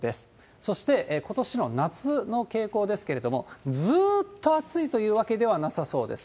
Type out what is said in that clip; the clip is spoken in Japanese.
そして、ことしの夏の傾向ですけれども、ずーっと暑いというわけではなさそうです。